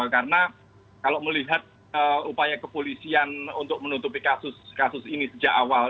karena kalau melihat upaya kepolisian untuk menutupi kasus ini sejak awal